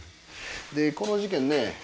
でこの事件ね